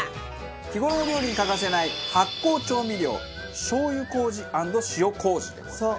日頃の料理に欠かせない発酵調味料しょう油麹＆塩麹でございます。